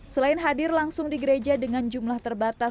selain hadir langsung di gereja dengan jumlah terbatas